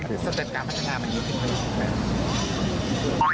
สเต็ปการพัฒนามันยุ่งขึ้นไหมครับ